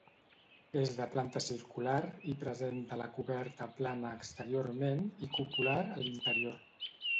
És de planta circular i presenta la coberta plana exteriorment i cupular a l'interior.